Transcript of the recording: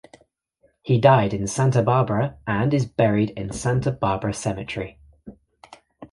He died in Santa Barbara and is buried in Santa Barbara Cemetery.